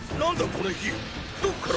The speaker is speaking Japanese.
この火どっから。